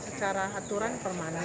secara aturan permanen